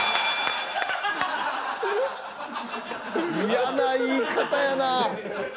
嫌な言い方やな。